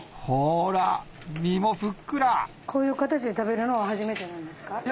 ほら身もふっくらこういう形で食べるのは初めてなんですか？